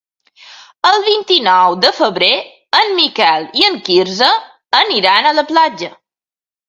El vint-i-nou de febrer en Miquel i en Quirze aniran a la platja.